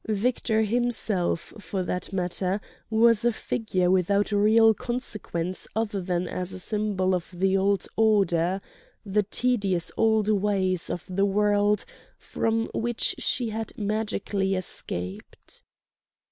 Victor himself, for that matter, was a figure without real consequence other than as a symbol of the old order, the tedious old ways of the world from which she had magically escaped.